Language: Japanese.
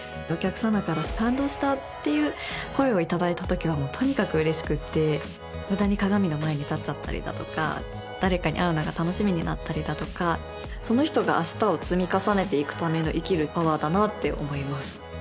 お客様から「感動した」っていう声をいただいたときはとにかく嬉しくって無駄に鏡の前に立っちゃったりだとか誰かに会うのが楽しみになったりだとかその人が明日を積み重ねていくための生きるパワーだなって思います